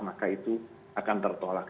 maka itu akan tertolak